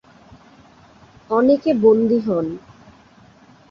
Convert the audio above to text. অনেকে বন্দী হন।